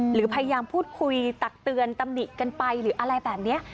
หรือพยายามพูดคุยตักเตือนตำหนิกันไปหรืออะไรแบบนี้